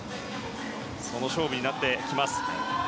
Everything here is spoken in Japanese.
その勝負になってきます。